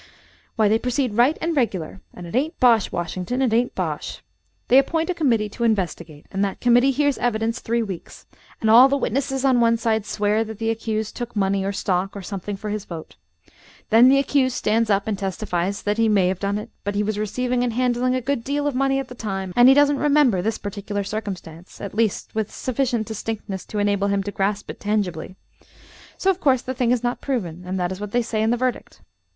"Why they proceed right and regular and it ain't bosh, Washington, it ain't bosh. They appoint a committee to investigate, and that committee hears evidence three weeks, and all the witnesses on one side swear that the accused took money or stock or something for his vote. Then the accused stands up and testifies that he may have done it, but he was receiving and handling a good deal of money at the time and he doesn't remember this particular circumstance at least with sufficient distinctness to enable him to grasp it tangibly. So of course the thing is not proven and that is what they say in the verdict.